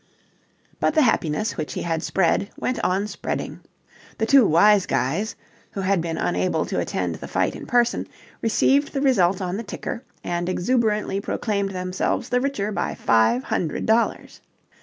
But the happiness which he had spread went on spreading. The two Wise Guys, who had been unable to attend the fight in person, received the result on the ticker and exuberantly proclaimed themselves the richer by five hundred dollars.